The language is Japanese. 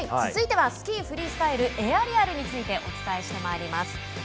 続いてはスキーフリースタイルエアリアルについてお伝えしてまいります。